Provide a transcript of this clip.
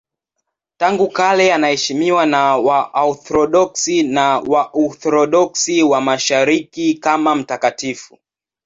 Tangu kale anaheshimiwa na Waorthodoksi na Waorthodoksi wa Mashariki kama mtakatifu.